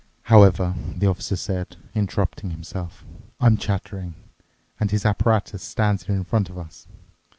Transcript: "However," the Officer said, interrupting himself, "I'm chattering, and his apparatus stands here in front of us.